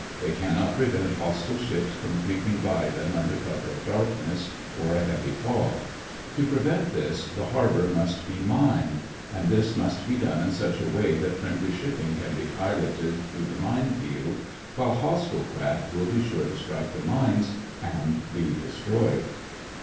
They cannot prevent hostile ships from creeping by them under cover of darkness or a heavy fog. To prevent this, the harbor must be mined, and this must be done in such a way that friendly shipping can be piloted through the mine field, while hostile craft will be sure to strike the mines and be destroyed.